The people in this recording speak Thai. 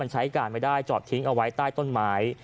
ใช้การไม่ได้จอดทิ้งเอาไว้ใต้ต้นไม้